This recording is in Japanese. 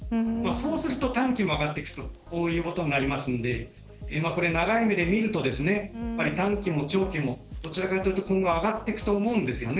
そうすると短期も上がっていくということになるのでこれ、長い目で見ると短期も長期もどちらかというと今後上がっていくと思うんですよね。